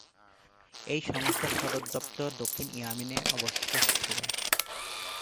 এই সংস্থার সদর দপ্তর দক্ষিণ ইয়েমেনে অবস্থিত ছিল।